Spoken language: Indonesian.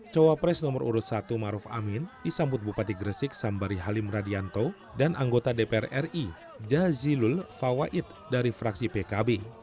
cowapres nomor urut satu maruf amin disambut bupati gresik sambari halim radianto dan anggota dpr ri jazilul fawait dari fraksi pkb